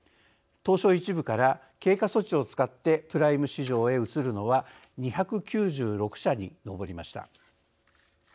東証１部から経過措置を使ってプライム市場へ移るのは２９６社に上りました。